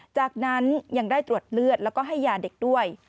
จากนั้นยังได้ตรวจเลือดแล้วก็ให้ยาเด็กด้วย